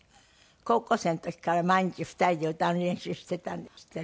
高校生の時から毎日２人で歌の練習していたんですってね。